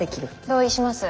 同意します。